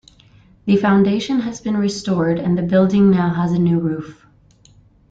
The foundation has been restored and the building now has a new roof.